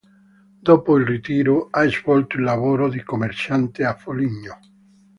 Dopo il ritiro ha svolto il lavoro di commerciante a Foligno.